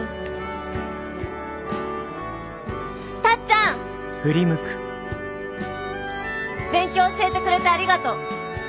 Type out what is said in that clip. タッちゃん！勉強教えてくれてありがとう！